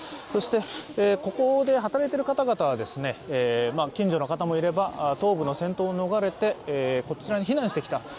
そして、ここで働いている方々は近所の方、東部の戦闘を逃れてこちらに避難してきた